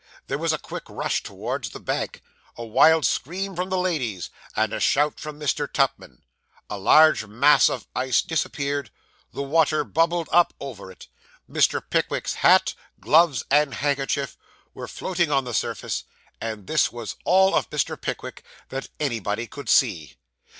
There was a quick rush towards the bank, a wild scream from the ladies, and a shout from Mr. Tupman. A large mass of ice disappeared; the water bubbled up over it; Mr. Pickwick's hat, gloves, and handkerchief were floating on the surface; and this was all of Mr. Pickwick that anybody could see.